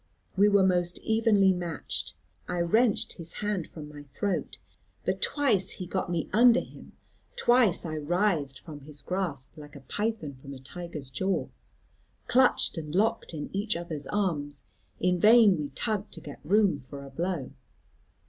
We were most evenly matched. I wrenched his hand from my throat, but twice he got me under him, twice I writhed from his grasp like a python from a tiger's jaw. Clutched and locked in each other's arms, in vain we tugged to get room for a blow.